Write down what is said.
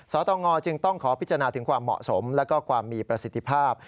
สตงจึงต้องขอพิจารณาถึงความเหมาะสมและความมีประสิทธิภาพ